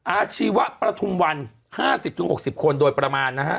อาชีวะประทุมวัน๕๐๖๐คนโดยประมาณนะฮะ